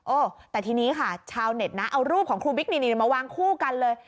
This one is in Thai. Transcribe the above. แต่ทีนี้ค่ะชาวเน็ตนะเอารูปของครูบิ๊กนี่มาวางคู่กันเลย